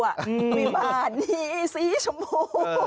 วิมารนี้สีชมพู